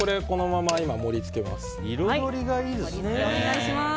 彩りがいいですね。